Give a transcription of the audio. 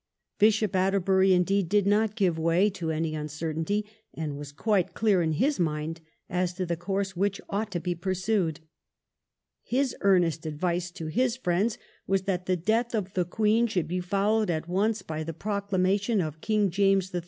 Bishop Atterbury indeed did not give way to any uncertainty, and was quite clear in his mind as to the course which ought to be pursued. His earnest advice to his friends was that the death of the Queen should be followed at once by the proclamation of King James III.